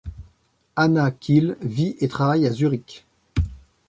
Anna Keel vit et travaille à Zurich.